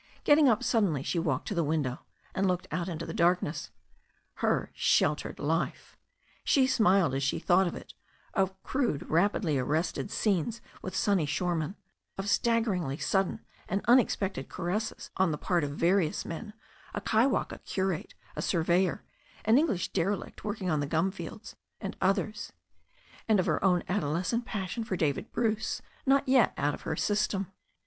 Getting up suddenly, she walked to the window and looked out into the darkness. Her "sheltered life!" She smiled as she thought of it: of crude rapidly arrested scenes with Sonny Shoreman; of staggeringly sudden and unexpected caresses on the part of various men, a Kaiwaka curate, a surveyor, an English derelict working on the gum fields, and others; and of her own adolescent passion for David Bhice, not yet out of her system.